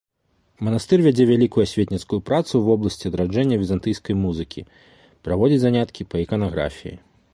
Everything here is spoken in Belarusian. Манастыр вядзе вялікую асветніцкую працу ў вобласці адраджэння візантыйскай музыкі, праводзіць заняткі па іканаграфіі.